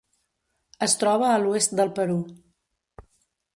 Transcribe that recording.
Es troba a l'oest del Perú.